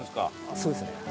そうですね。